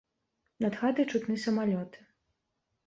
Над хатай чутны самалёты.